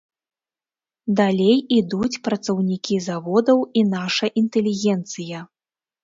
Далей ідуць працаўнікі заводаў і наша інтэлігенцыя.